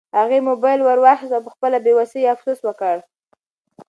هغې موبایل ورواخیست او په خپله بې وسۍ یې افسوس وکړ.